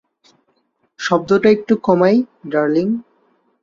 শব্দটা একটু কমাই, ডার্লিং?